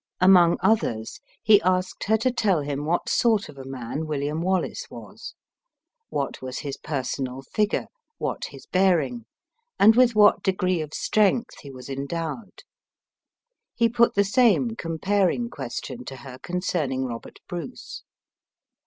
Among others he asked her to tell him what sort of a man William Wallace was; what was his personal figure; what his bearing, and with what degree of strength he was endowed. He put the same comparing question to her concerning Robert Bruce.